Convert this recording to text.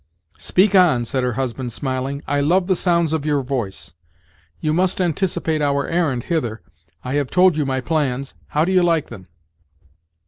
"Speak on!" said her husband, smiling; "I love the sounds of your voice. You must anticipate our errand hither: I have told you my plans: how do you like them?"